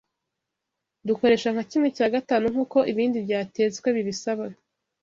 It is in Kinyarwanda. Dukoresha nka kimwe cya gatanu nk’uko ibindi byatetswe bibisaba.